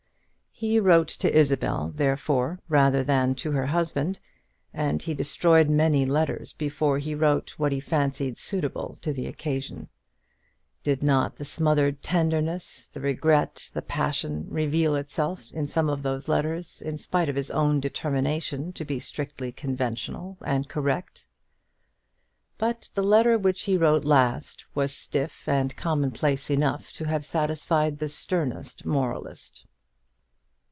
He wrote to Isabel, therefore, rather than to her husband, and he destroyed many letters before he wrote what he fancied suitable to the occasion. Did not the smothered tenderness, the regret, the passion, reveal itself in some of those letters, in spite of his own determination to be strictly conventional and correct? But the letter which he wrote last was stiff and commonplace enough to have satisfied the sternest moralist.